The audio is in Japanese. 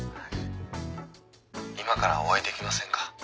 今からお会いできませんか？